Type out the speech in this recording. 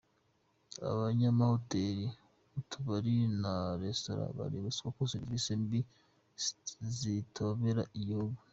Abanyamahoteli, utubari na resitora baributswa ko serivisi mbi zitobera igihugu